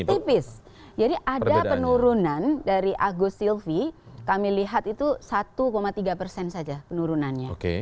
tipis jadi ada penurunan dari agus silvi kami lihat itu satu tiga persen saja penurunannya